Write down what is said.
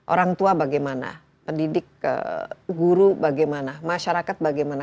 orang tua bagaimana pendidik guru bagaimana masyarakat bagaimana